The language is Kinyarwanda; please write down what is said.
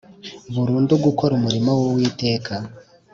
burundu gukora umurimo w’uwiteka